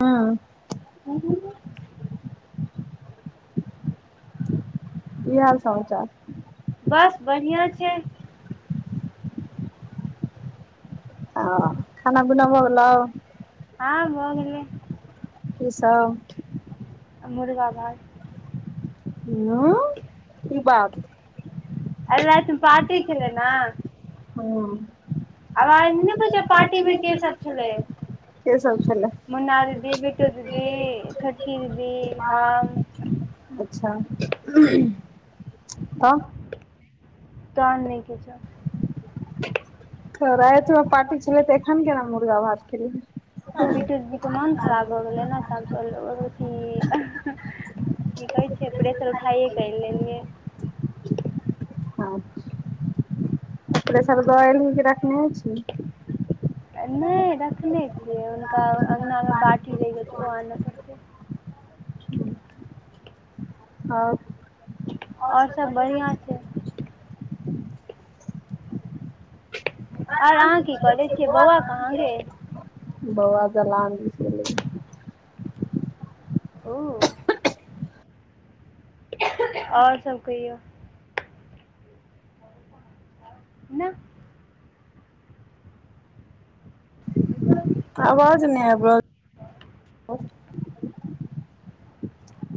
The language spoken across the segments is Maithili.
हँ। [inaudible] की हाल समाचार बस बढ़ििया छै। [unintelligible] खाना पिना भय गेलाउ हँ भय गेलै। कीसभ मुर्गा भात [unintelligible] कि बात अय राति मे पार्टी छलेय ने हू आवाज नहि बूझै पार्टीमे के सब छलै [unintelligible] मुन्ना दीदी बिटू दीदी छोटकी दीदी हम अच्छा तऽ तहन नहि किछो तऽ रातिमे पार्टी छलै तऽ एखन केना मुर्गा भात खेल ही मन खराब भऽ गेलय ने हम सैचलो की की कहै छै प्रेसर उठाइे के ऐन लेलियए प्रेसर दअ एल्ही की रखने छी नहि रखने छियै हुनका अगनामे बाटी रहि छै ओ आन पड़तै ओर और सब बढ़ियां छै आर अहाँ की करे छियै बौआ कहाँ गेल बौआ दलान दिस गेल ओ ओर सब कहियौ नहि देखियो तऽ आवाज नहि आयब रहल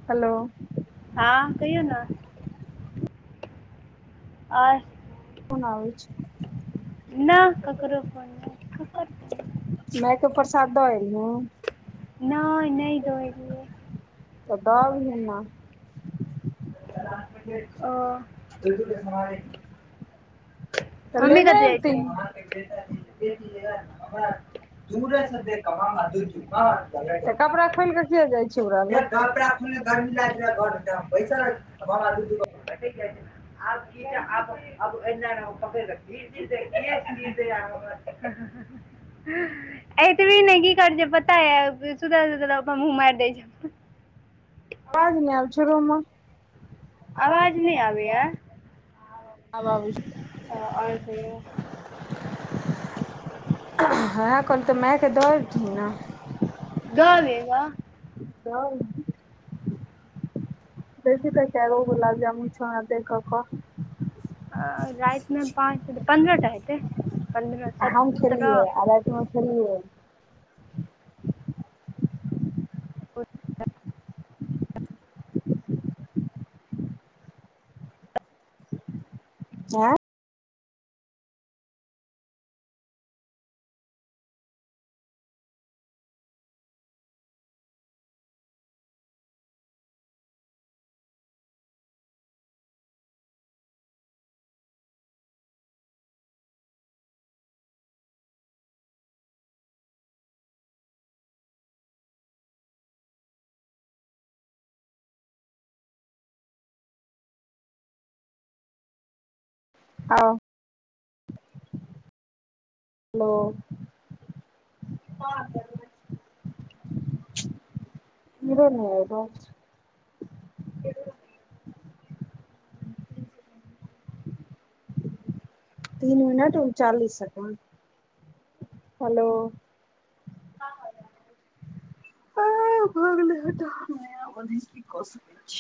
हेलो हँ कहियो नऽ ओर फोन आबे छै नहि ककरो फोन नहि ककर माय के प्रसाद दऽ एलही नहि नहि दौय एलिये तऽद ऐभी ने ओ तऽ मम्मी लेने कतऽ ऐबती जाइ ने छै कपड़ा खोल कऽ किया जाइ छै ओकरा लग कहलीए गर्मी लगये घर मे तय बैसल छी बाबा दूनु आब की [unintelligible] एत भी नहि की कर छै पता ये सुतल सुतल आब हमहु मार दै छै आवाज नहि आवे छै रूमे आवाज नहि आबै य आब आबे छै ओ ओर कहियौ उहेय कहल तऽ मायके दऽ अबथिन दऽ एबै ने गऽ [unintelligible] देखी तऽ कगो गुलाब जामुन छह हमरा देख कऽ कह रातिमे पाँच पन्द्रह टा हेतै पन्द्रह सत्रह हँ खेलियय। आँय आ हेलो [unintelligible] ईम्हरो नहि ऐबय तीन मिनट उनचालीस सेकंड हेलो भ गेलै ही कऽ सकैत छी।